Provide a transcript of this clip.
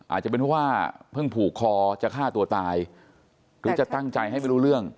อาจจะเป็นเพราะว่าเพิ่งผูกคอจะฆ่าตัวตายหรือจะตั้งใจให้ไม่รู้เรื่อง